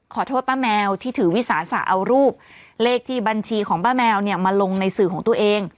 ป้าแมวที่ถือวิสาสะเอารูปเลขที่บัญชีของป้าแมวเนี่ยมาลงในสื่อของตัวเอง